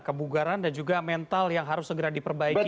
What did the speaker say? kebugaran dan juga mental yang harus segera diperbaiki